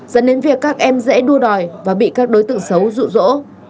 dẫn đến việc các em dễ đua đòi và bị các đối tượng xấu rụ rỗ